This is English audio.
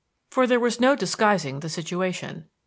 For there was no disguising the situation.